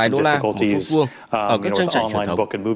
một đô la một phút vuông ở các trang trại truyền thống